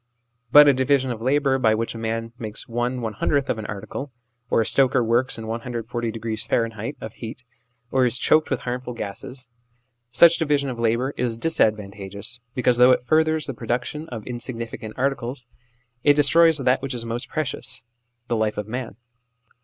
But a division of labour by which a man makes one one hundredth of an article, or a stoker works in 140 degrees (Fahrenheit) of heat, or is choked with harmful gases such division of labour is disadvantageous, because though it furthers the production of insignificant articles, it destroys THE SOCIALIST IDEAL 57 that which is most precious the life of man.